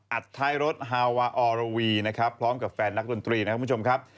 ท้ายรถฮาวาออโรวีนะครับพร้อมกับแฟนนักดนตรีนะครับคุณผู้ชมครับ